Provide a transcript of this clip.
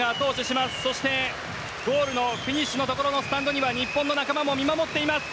ゴールのフィニッシュスタンドには日本の仲間も見守っています。